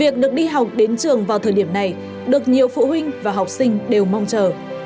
trường học đến trường vào thời điểm này được nhiều phụ huynh và học sinh đều mong chờ